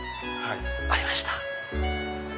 ありました。